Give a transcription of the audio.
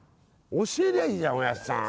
教えりゃいいじゃんおやっさん。